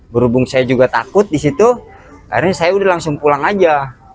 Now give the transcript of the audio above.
berhubung saya juga takut di situ akhirnya saya udah langsung pulang aja